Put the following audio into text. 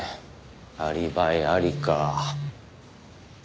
アリバイありか。